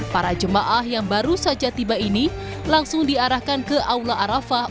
para jemaah yang baru saja tiba ini langsung diarahkan ke aula arafah